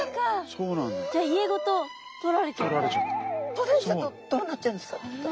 取られちゃうとどうなっちゃうんですか？